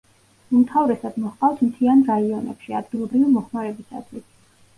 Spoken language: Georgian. უმთავრესად მოჰყავთ მთიან რაიონებში ადგილობრივი მოხმარებისათვის.